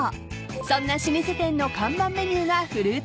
［そんな老舗店の看板メニューが］